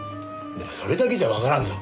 でもそれだけじゃわからんぞ。